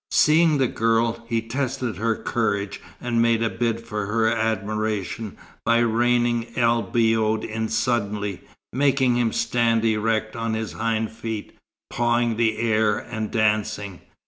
Seeing the girl, he tested her courage, and made a bid for her admiration by reining El Biod in suddenly, making him stand erect on his hind feet, pawing the air and dancing.